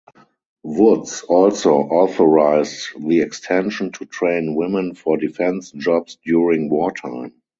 Woods also authorized the extension to train women for defense jobs during wartime.